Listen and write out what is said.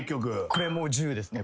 これもう１０ですね。